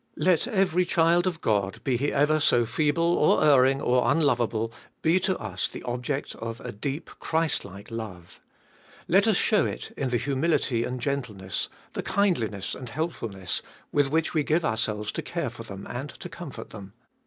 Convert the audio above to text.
Let every child of God, be he ever so feeble or erring or unlovable, be to us the object of a deep, Christlike love. Let us show it in the humility and gentleness, the kindli ness and helpfulness, with which we give ourselves to care for them and to comfort them.